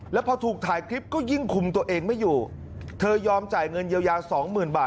แล้วพอถูกถ่ายคลิปก็ยิ่งคุมตัวเองไม่อยู่เธอยอมจ่ายเงินเยียวยาสองหมื่นบาท